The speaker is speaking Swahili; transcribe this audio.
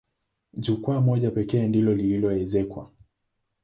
Jukwaa moja pekee ndilo lililoezekwa.